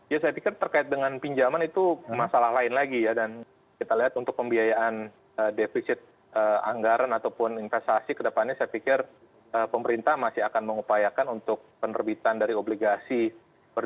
ya saya pikir terkait dengan pinjaman itu masalah lain lagi ya dan kita lihat untuk pembiayaan defisit anggaran ataupun investasi kedepannya saya pikir pemerintah masih akan mengupayakan untuk penerbitan dari obligasi